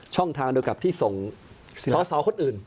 ช่องทางเดียวกับที่ส่งสอสอคนอื่น